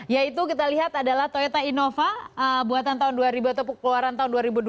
yaitu kita lihat adalah toyota innova buatan tahun dua ribu atau keluaran tahun dua ribu dua puluh